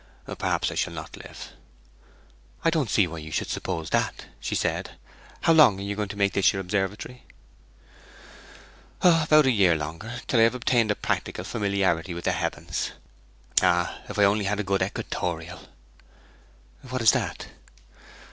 Perhaps I shall not live.' 'I don't see why you should suppose that,' said she. 'How long are you going to make this your observatory?' 'About a year longer till I have obtained a practical familiarity with the heavens. Ah, if I only had a good equatorial!' 'What is that?'